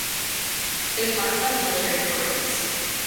It is marked by military parades.